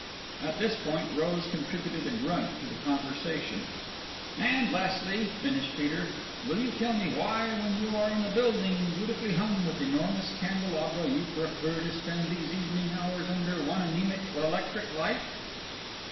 At this point Rose contributed a grunt to the conversation. "And lastly," finished Peter, "will you tell me why, when you are in a building beautifully hung with enormous candelabra, you prefer to spend these evening hours under one anemic electric light?"